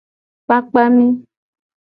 Kpakpa mi.